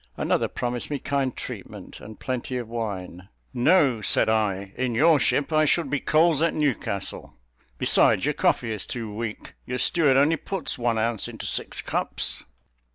Another promised me kind treatment and plenty of wine. "No," said I, "in your ship I should be coals at Newcastle; besides, your coffee is too weak, your steward only puts one ounce into six cups."